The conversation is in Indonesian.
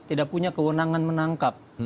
tidak punya kewenangan menangkap